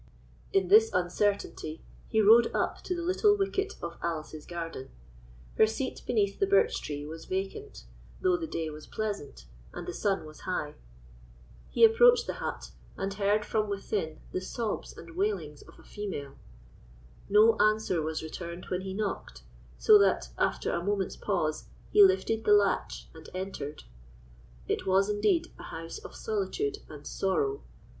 In this uncertainty he rode up to the little wicket of Alice's garden. Her seat beneath the birch tree was vacant, though the day was pleasant and the sun was high. He approached the hut, and heard from within the sobs and wailing of a female. No answer was returned when he knocked, so that, after a moment's pause, he lifted the latch and entered. It was indeed a house of solitude and sorrow.